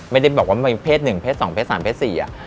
ไม่ได้บอกว่ามีเพศ๑เพศ๒เพศ๓เพศ๔